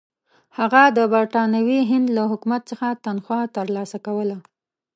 هغه د برټانوي هند له حکومت څخه تنخوا ترلاسه کوله.